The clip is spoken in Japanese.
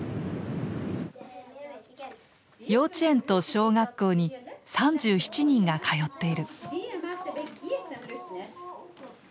幼稚園と小学校に３７人が通ってる。